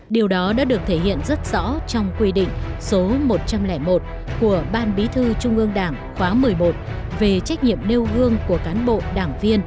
điều đó đã được thể hiện rất rõ trong quy định số một trăm linh một của ban bí thư trung ương đảng khóa một mươi một về trách nhiệm nêu gương của cán bộ đảng viên